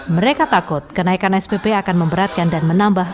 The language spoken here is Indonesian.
mereka takut kenaikan spp akan memberatkan dan menambah